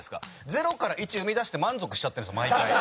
０から１生み出して満足しちゃってるんですよ毎回。